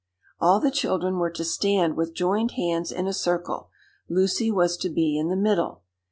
All the children were to stand with joined hands in a circle; Lucy was to be in the middle.